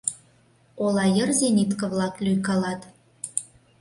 Ола йыр зенитке-влак лӱйкалат.